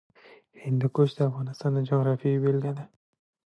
هندوکش د افغانستان د جغرافیې بېلګه ده.